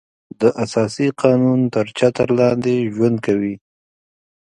د اساسي قانون تر چتر لاندې ژوند کوي.